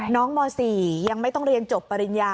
ม๔ยังไม่ต้องเรียนจบปริญญา